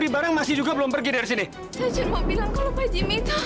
ibu kenapa ibu susah lagi